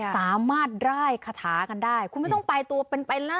สามารถได้คาถากันได้คุณไม่ต้องไปตัวเป็นไปนะ